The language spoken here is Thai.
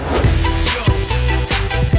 วิเครี่ยม